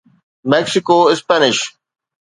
Mexico Spanish